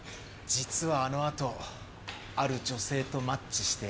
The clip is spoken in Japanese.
実はあのあとある女性とマッチして。